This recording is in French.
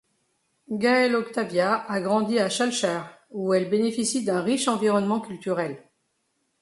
Gaël Octavia a grandi à Schœlcher, où elle bénéficie d’un riche environnement culturel.